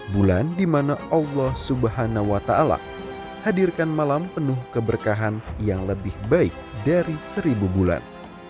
bulan di mana allah swt hadirkan malam penuh keberkahan yang lebih baik dari seribu bulan